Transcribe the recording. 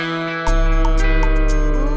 aku selalu paham